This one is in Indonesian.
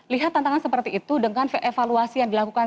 lihat tantangan seperti itu dengan evaluasi yang dilakukan